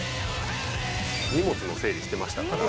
荷物の整理してましたから。